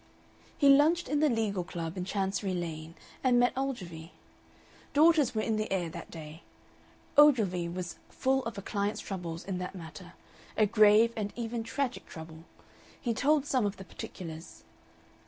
He lunched in the Legal Club in Chancery Lane, and met Ogilvy. Daughters were in the air that day. Ogilvy was full of a client's trouble in that matter, a grave and even tragic trouble. He told some of the particulars.